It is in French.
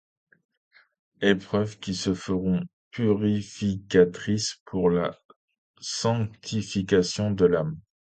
Épreuves qui se feront purificatrices pour la sanctification de l'âme.